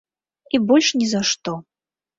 І больш ні за што.